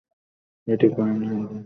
এটি কোয়েন ভ্রাতৃদ্বয়ের প্রথম চলচ্চিত্র।